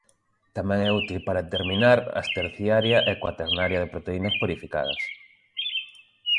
Tamén é útil para determinar as terciaria e cuaternaria de proteínas purificadas.